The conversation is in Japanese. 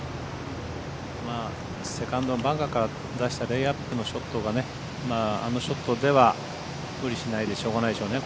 セカンドはバンカーから出したレイアップのショットがあのショットでは無理しないでしょうがないでしょうね